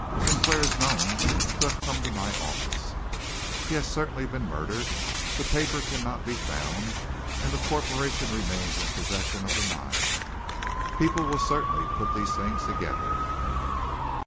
Sinclair is known to have come to my office. He has certainly been murdered. The paper cannot be found, and the corporation remains in possession of the mine. People will certainly put these things together."